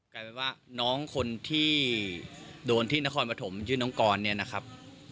กลายเป็นว่าน้องคนที่โดนที่นครปฐมชื่อน้องกรเนี่ยนะครับ